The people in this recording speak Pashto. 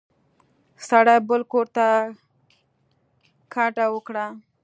سړي بل کور ته کډه وکړه.